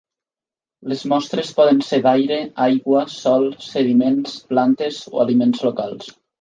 Les mostres poden ser d'aire, aigua, sòl, sediments, plantes o aliments locals.